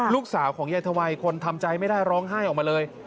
ลูกชายของยายทวายคนทำใจไม่ได้ร้องไห้ออกมาเลย